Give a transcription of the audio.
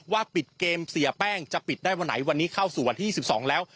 ปิดเกมเสียแป้งจะปิดได้วันไหนวันนี้เข้าสู่วันที่๒๒แล้ว